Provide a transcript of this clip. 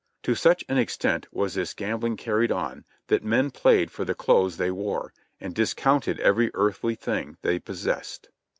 To such an extent was this gambling carried on that men played for the clothes they wore, and discounted every earthly thing they possessed.